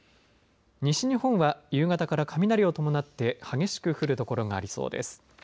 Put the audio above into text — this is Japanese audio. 西日本は夕方から雷を伴って激しく降る所がありそうです。